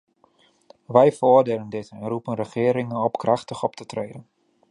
Wij veroordelen dit en roepen regeringen op krachtig op te treden.